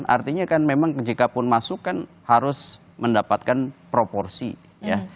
artinya kan memang jikapun masuk kan harus mendapatkan proporsi ya